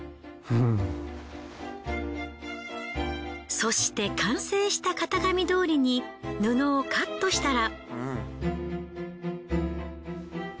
そして完成した型紙どおりに布をカットしたら。